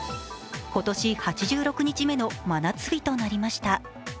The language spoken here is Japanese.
今年８６日目の真夏日となりました。